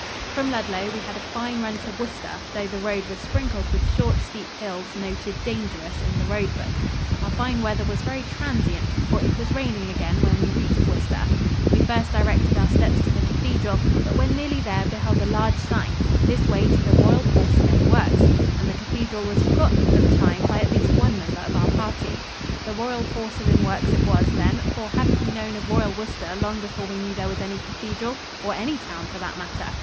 From Ludlow we had a fine run to Worcester, though the road was sprinkled with short, steep hills noted "dangerous" in the road book. Our fine weather was very transient, for it was raining again when we reached Worcester. We first directed our steps to the cathedral, but when nearly there beheld a large sign, "This way to the Royal Porcelain Works," and the cathedral was forgotten for the time by at least one member of our party. The Royal Porcelain Works it was, then, for hadn't we known of Royal Worcester long before we knew there was any cathedral or any town, for that matter?